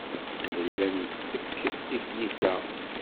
Nella nettekk i tlisa.